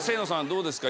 どうですか？